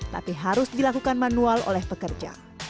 tapi harus dilakukan manual oleh pekerja